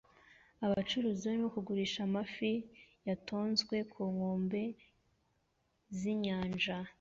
Abacuruzi barimo kugurisha amafi yatonzwe ku nkombe z'inyanja